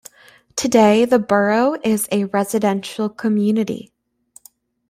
Today the Borough is a residential community.